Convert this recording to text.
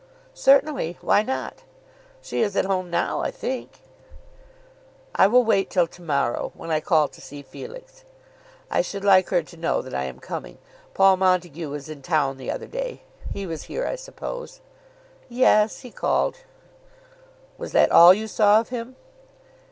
"Certainly; why not? She is at home now, I think." "I will wait till to morrow, when I call to see Felix. I should like her to know that I am coming. Paul Montague was in town the other day. He was here, I suppose?" "Yes; he called." "Was that all you saw of him?"